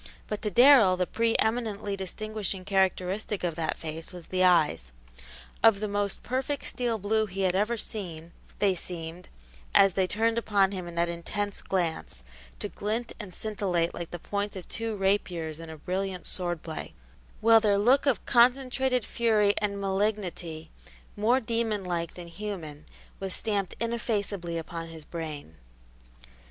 But to Darrell the pre eminently distinguishing characteristic of that face was the eyes. Of the most perfect steel blue he had ever seen, they seemed, as they turned upon him in that intense glance, to glint and scintillate like the points of two rapiers in a brilliant sword play, while their look of concentrated fury and malignity, more demon like than human, was stamped ineffaceably upon his brain.